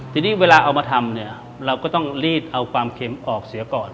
ทีนี้เวลาเอามาทำเนี่ยเราก็ต้องรีดเอาความเค็มออกเสียก่อน